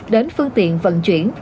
đến phương tiện vận chuyển